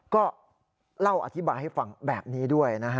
ก็เล่าอธิบายให้ฟังแบบนี้ด้วยนะฮะ